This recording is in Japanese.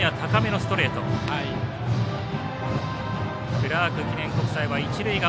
クラーク記念国際は一塁側。